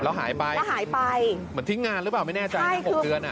แล้วหายไปมันทิ้งงานหรือเปล่าไม่แน่ใจ๖เดือน